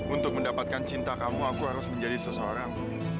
untuk mendapatkan cinta kamu aku harus menjadi seseorang